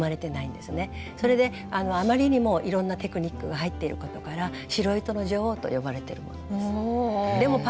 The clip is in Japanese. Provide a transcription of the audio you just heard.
それであまりにもいろんなテクニックが入っていることから「白糸の女王」と呼ばれてるものです。